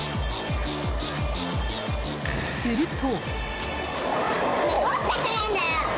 すると。